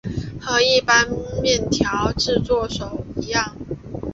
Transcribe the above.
和一般面条制作手一样。